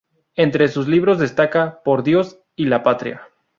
Entre sus libros destaca "Por Dios y la Patria.